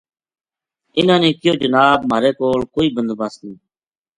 اِنھاں نے کہیو جناب مھارے کول کوئی بندوبست نیہہ